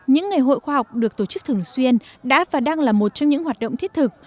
những ngày hội khoa học được tổ chức thường xuyên đã và đang là một trong những hoạt động thiết thực